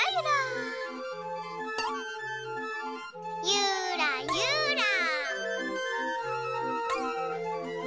ゆらゆら。